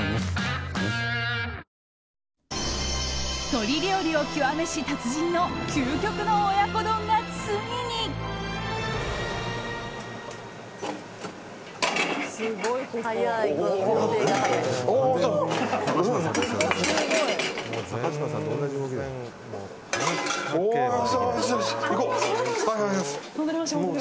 鶏料理を極めし達人の究極の親子丼が、ついに。いこう。